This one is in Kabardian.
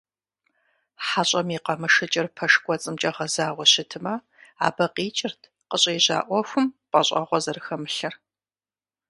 ХьэщӀэм и къамышыкӀыр пэш кӀуэцӀымкӀэ гъэзауэ щытмэ, абы къикӀырт къыщӏежьа Ӏуэхум пӀэщӀэгъуэ зэрыхэмылъыр.